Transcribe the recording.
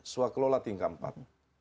suak lola tingkat empat